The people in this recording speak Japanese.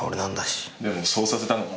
でもそうさせたのは。